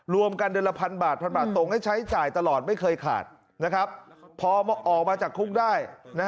รวมกันเดือนละพันบาทพันบาทตรงให้ใช้จ่ายตลอดไม่เคยขาดพอออกมาจากคุกได้